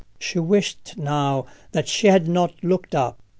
She wished now that she had not looked up.